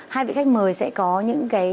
hai vị khách mời sẽ có những cái